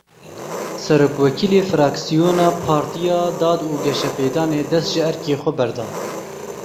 Serokwekîlê Firaksiyona Partiya Dad û Geşepêdanê dest ji erkê xwe berda.